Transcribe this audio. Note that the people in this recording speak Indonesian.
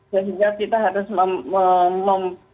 sehingga kita harus mem